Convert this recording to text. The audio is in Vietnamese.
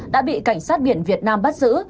đã bị cảnh sát biển việt nam bắt giữ